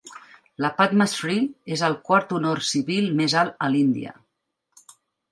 La Padma Shri es el quart honor civil més alt a l'Índia.